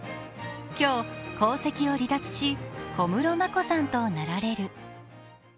今日、皇籍を離脱し、小室眞子さんとなられる。